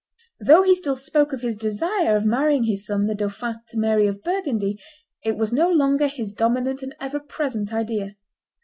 Though he still spoke of his desire of marrying his son, the dauphin, to Mary of Burgundy, it was no longer his dominant and ever present idea.